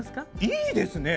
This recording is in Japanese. いいですね！